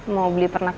mau beli pernikahan